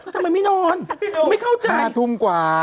ทำไมไม่นอนไม่เข้าใจทุ่มกว่า